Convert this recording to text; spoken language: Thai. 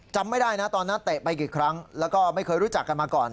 จำไม่ได้นะตอนนั้นเตะไปกี่ครั้งแล้วก็ไม่เคยรู้จักกันมาก่อน